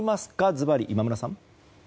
ずばり、今村さん。